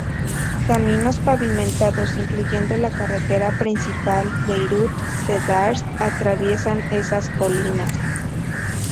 Caminos pavimentados, incluyendo la carretera principal Beirut-Cedars, atraviesan esas colinas.